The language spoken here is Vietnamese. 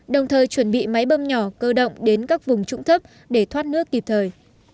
đồng thời chuẩn bị máy bơm nhỏ cơ động đến các vùng trũng thấp để thoát nước kịp thời